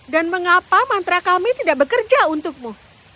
dan mengapa mantra kami tidak bekerja untukmu